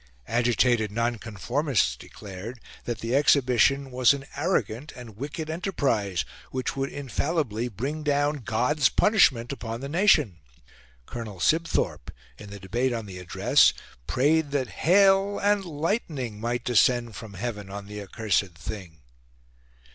Agitated nonconformists declared that the Exhibition was an arrogant and wicked enterprise which would infallibly bring down God's punishment upon the nation. Colonel Sibthorpe, in the debate on the Address, prayed that hail and lightning might descend from heaven on the accursed thing.